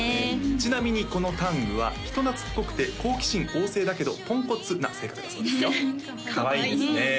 ちなみにこのタングは人懐っこくて好奇心旺盛だけどポンコツな性格だそうですよかわいいかわいいですね